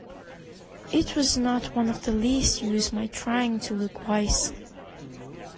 It was not of the least use my trying to look wise.